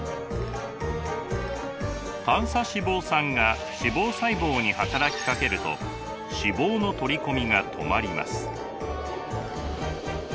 短鎖脂肪酸が脂肪細胞に働きかけると脂肪の取り込みが止まります。